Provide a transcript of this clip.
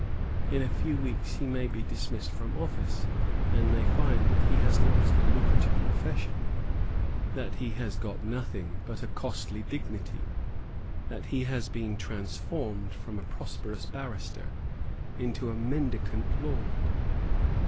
In a few weeks he may be dismissed from office, and may find that he has lost a lucrative profession, that he has got nothing but a costly dignity, that he has been transformed from a prosperous barrister into a mendicant lord.